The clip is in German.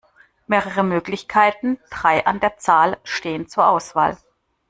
Mehrere Möglichkeiten, drei an der Zahl, stehen zur Auswahl.